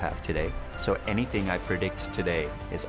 jadi apa saja yang saya hargai hari ini